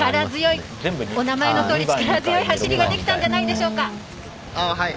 お名前のとおり、力強い走りができたんじゃないんでしょうか。